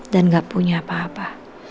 dan gak punya apa apa